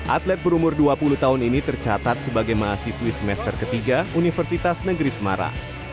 atlet berumur dua puluh tahun ini tercatat sebagai mahasiswi semester ketiga universitas negeri semarang